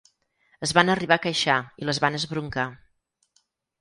Es van arribar a queixar i les van esbroncar.